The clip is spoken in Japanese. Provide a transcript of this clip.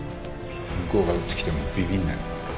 向こうが打ってきてもビビんなよ。